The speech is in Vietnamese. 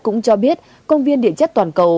cũng cho biết công viên địa chất toàn cầu